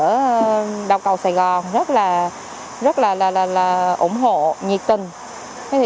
ở đầu cầu sài gòn rất là ủng hộ nhiệt tình